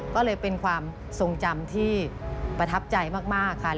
ก็เลยเป็นความทรงจำที่ประทับใจมากค่ะ